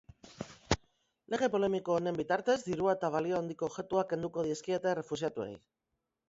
Lege polemiko honen bitartez, dirua eta balio handiko objektuak kenduko dizkiete errefuxiatuei.